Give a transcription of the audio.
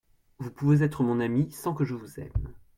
Vous pouvez être mon ami, sans que je vous aime.